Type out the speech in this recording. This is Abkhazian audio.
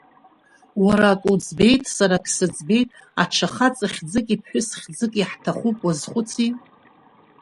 Уара ак уӡбеит, сара ак сыӡбеит, аҽа хаҵахьӡыки ԥҳәысхьӡыки ҳҭахуп, уазхәыци.